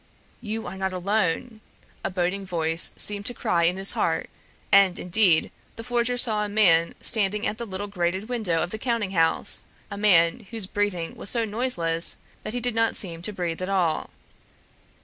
"You are not alone!" a boding voice seemed to cry in his heart; and indeed the forger saw a man standing at the little grated window of the counting house, a man whose breathing was so noiseless that he did not seem to breathe at all.